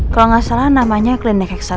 kalau nggak salah namanya klinik heksasa